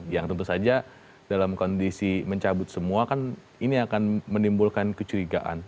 yang tentu saja dalam kondisi mencabut semua kan ini akan menimbulkan kecurigaan